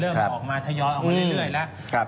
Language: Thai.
เริ่มออกมาทะยอดออกได้เรื่อยแล้ว